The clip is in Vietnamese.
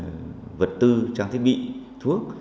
cũng đứng vật tư trong thiết bị thuốc